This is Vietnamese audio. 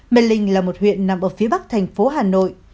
mê linh là một huyện nằm ở phía bắc thành phố hà nội